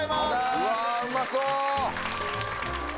うわうまそう！